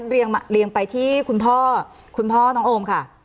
เรียงไปที่คุณพ่อคุณพ่อน้องโอมค่ะ